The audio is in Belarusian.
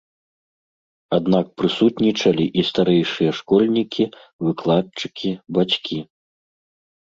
Аднак прысутнічалі і старэйшыя школьнікі, выкладчыкі, бацькі.